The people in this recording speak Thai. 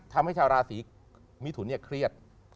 ทำให้ชาวราศีมิถุนเครียด